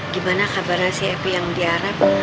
gimana kabarnya si epi yang di arab